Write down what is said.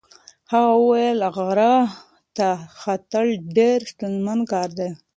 هغه وویل چې غره ته ختل ډېر ستونزمن کار دی.